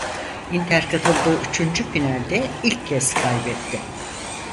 Inter katıldığı üçüncü finalde ilk kez kaybetti.